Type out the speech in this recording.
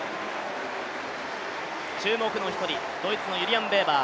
注目の１人、ドイツのユリアン・ベーバー。